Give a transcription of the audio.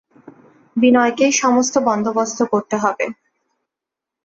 বিনয়কেই সমস্ত বন্দোবস্ত করতে হবে।